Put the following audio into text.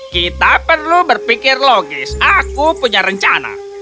kita perlu berpikir logis aku punya rencana